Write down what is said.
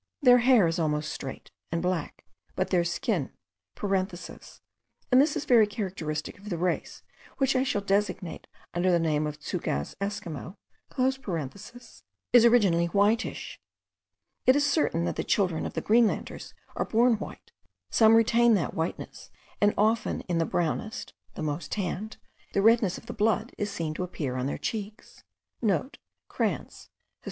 Their hair is almost straight, and black; but their skin (and this is very characteristic of the race, which I shall designate under the name of Tschougaz Esquimaux) is originally whitish. It is certain that the children of the Greenlanders are born white; some retain that whiteness; and often in the brownest (the most tanned) the redness of the blood is seen to appear on their cheeks.* (* Krantz, Hist.